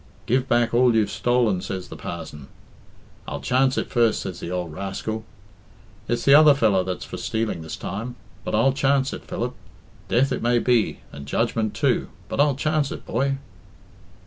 'Give back all you've stolen,' says the parzon. 'I'll chance it first,' says the ould rascal. It's the other fellow that's for stealing this time; but I'll chance it, Philip. Death it may be, and judgment too, but I'll chance it, boy."